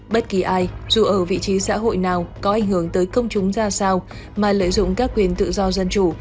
bất kỳ ai dù ở vị trí xã hội nào có ảnh hưởng tới công chúng ra sao mà lợi dụng các quyền tự do dân chủ